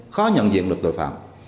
khó nhận diện được tội phạm